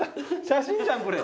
写真じゃんこれ。